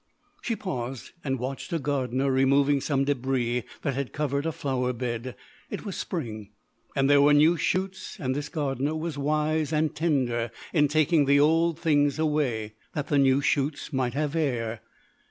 She paused and watched a gardener removing some debris that had covered a flower bed. It was spring, and there were new shoots and this gardener was wise and tender in taking the old things away, that the new shoots might have air.